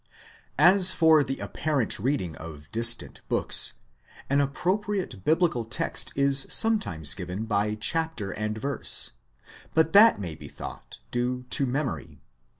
As for the apparent reading of distant books, an appropriate Biblical text is sometimes given by chapter and verse; but that may be thought due to memory.